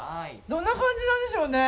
どんな感じなんでしょうね。